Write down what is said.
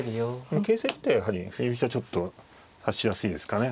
形勢自体はやはり振り飛車ちょっと指しやすいですかね。